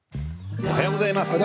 おはようございます。